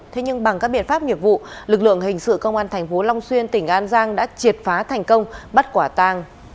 thế nhưng bằng các biện pháp nghiệp vụ lực lượng hình sự công an thành phố long xuyên tỉnh an giang đã triệt phá thành công bắt quả tàng